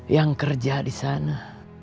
yang kerja di sana